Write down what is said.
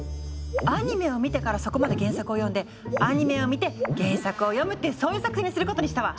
アニメを見てからそこまで原作を読んでアニメを見て原作を読むってそういう作戦にすることにしたわ！